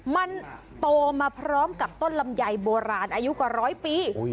มันโตมาพร้อมกับต้นลำไยโบราณอายุกว่าร้อยปี